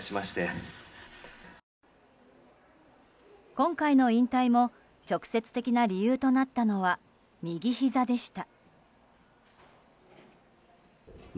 今回の引退も直接的な理由となったのは右ひざでした。